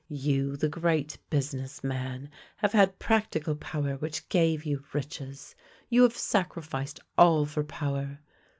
You, the great business man, have had practical power which gave you riches. You have sacrificed all for power.